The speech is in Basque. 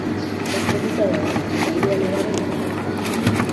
Ezkonduta dago eta hiru alabaren ama da.